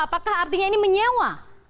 apakah artinya ini menyewa